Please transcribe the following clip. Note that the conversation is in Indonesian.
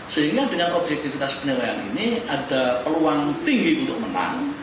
sehingga dengan objektivitas penilaian ini ada peluang tinggi untuk menang